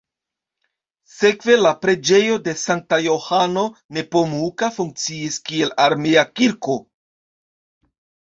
Sekve la preĝejo de sankta Johano Nepomuka funkciis kiel armea kirko.